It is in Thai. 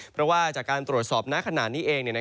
เพราะว่าจากการตรวจสอบณขณะนี้เอง